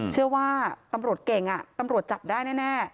เชื่อว่าตำรวจเก่งตำรวจจับได้แน่